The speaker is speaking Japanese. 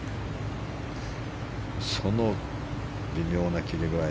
その微妙な切れ具合